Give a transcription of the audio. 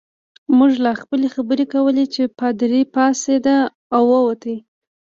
موږ لا خپلې خبرې کولې چې پادري پاڅېد او ووت.